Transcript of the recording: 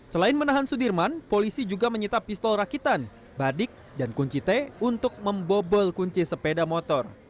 selain menahan sudirman polisi juga menyita pistol rakitan badik dan kunci t untuk membobol kunci sepeda motor